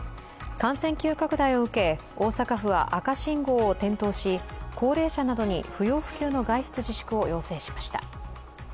感染急拡大を受け、大阪府は赤信号を点灯し高齢者などに不要不急の外出自粛を要請しました。